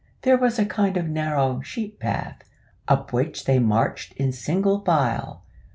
There was a kind of narrow sheep path, up which they marched in single file.